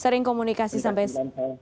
sering komunikasi sampai sekarang